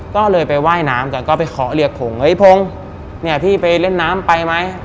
ก็เลยไปว่ายน้ำกันก็ไปเคาะเรียกผมเฮ้ยพงเนี่ยพี่ไปเล่นน้ำไปไหม